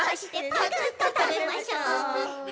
「パクっとたべましょう」